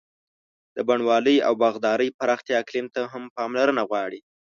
د بڼوالۍ او باغدارۍ پراختیا اقلیم ته هم پاملرنه غواړي.